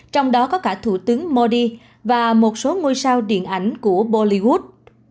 trong đó có cả thủ tướng modi và một số ngôi sao điện ảnh của bolivod